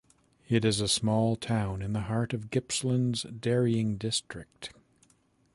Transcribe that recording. It is a small town in the heart of Gippsland's dairying distinct.